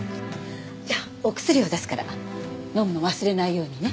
じゃあお薬を出すから飲むの忘れないようにね。